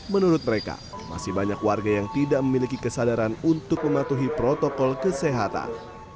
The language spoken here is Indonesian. menurut mereka masih banyak warga yang tidak memiliki kesadaran untuk mematuhi protokol kesehatan